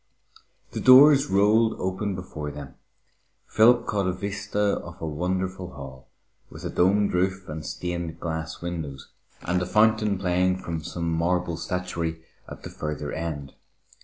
The doors rolled open before them. Philip caught a vista of a wonderful hall, with a domed roof and stained glass windows, and a fountain playing from some marble statuary at the further end.